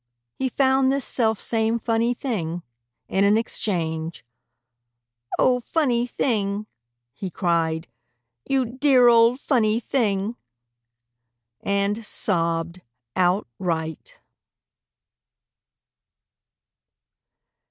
He found this selfsame funny thing In an exchange "O, funny thing!" He cried, "You dear old funny thing!" And Sobbed Outright.